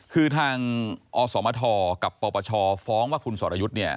คือทางอสมทกับปปชฟ้องว่าคุณสรยุทธ์เนี่ย